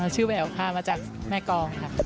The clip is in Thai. ชื่อแววพามาจากแม่กองครับ